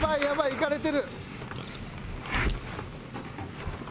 いかれてる。